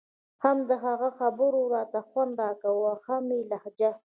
هم د هغه خبرو راته خوند راکاوه او هم يې لهجه.